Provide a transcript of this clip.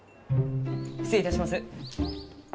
失礼いたします。